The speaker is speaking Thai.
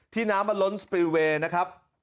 ที่น้ำล้นสปีลเวย์นะครับ